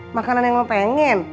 makanan yang lo pengen